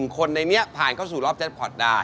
คนในนี้ผ่านเข้าสู่รอบแจ็คพอร์ตได้